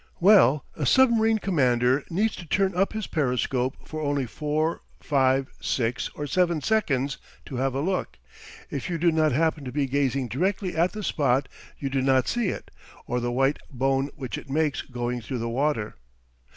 Well, a submarine commander needs to turn up his periscope for only four, five, six, or seven seconds to have a look. If you do not happen to be gazing directly at the spot, you do not see it or the white bone which it makes going through the water.